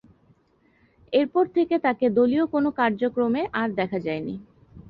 এরপর থেকে তাকে দলীয় কোনো কার্যক্রমে আর দেখা যায়নি।